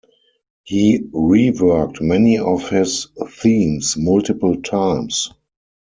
He reworked many of his themes multiple times.